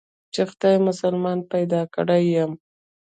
چې خداى مسلمان پيدا کړى يم.